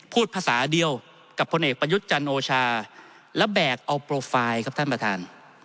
พูดภาษาเดียวกับพลเอกประยุทธ์จันโอชาและแบกเอาโปรไฟล์ครับท่านประธาน